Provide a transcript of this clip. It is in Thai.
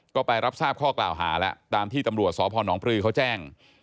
ก็ไปรับทราบข้อกล่าวหาแล้วตามที่ตำรวจสพนปลือเขาแจ้ง